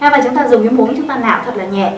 và chúng ta dùng cái muỗng chúng ta nạo thật là nhẹ